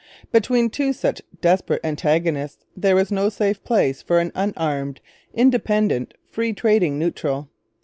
Between two such desperate antagonists there was no safe place for an unarmed, independent, 'free trading' neutral.